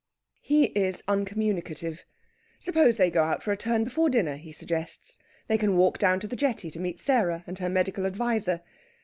He is uncommunicative. Suppose they go out for a turn before dinner, he suggests. They can walk down to the jetty, to meet Sarah and her medical adviser.